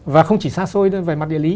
và không chỉ xa xôi về mặt địa lý